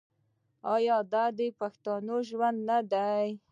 آیا دا د پښتنو ژوند نه دی؟